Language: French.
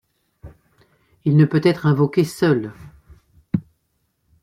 Il ne peut être invoqué seul.